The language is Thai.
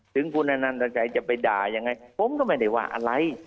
ถึงคุณอนันตชัยจะไปด่ายังไงผมก็ไม่ได้ว่าอะไร